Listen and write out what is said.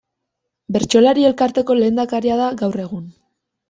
Bertsolari Elkarteko lehendakaria da gaur egun.